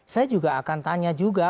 saya juga akan tanya juga